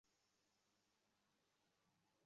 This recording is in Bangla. বর্তমানে ফসলী জাতির বীজকে সিড ব্যাংকে সংরক্ষণ করা হয়?